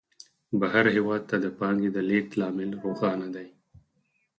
بهر هېواد ته د پانګې د لېږد لامل روښانه دی